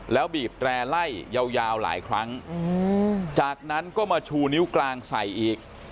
แล้วบีบแตร่ไล่ยาวหลายครั้งจากนั้นก็มาชูนิ้วกลางใส่อีก